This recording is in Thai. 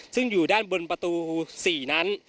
ซึ่งอยู่ด้านบนประตู๔นั้น